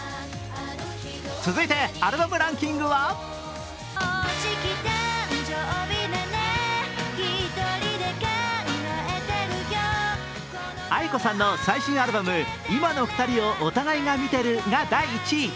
続いてアルバムランキングはａｉｋｏさんの最新アルバム「今の二人をお互いが見てる」が第１位。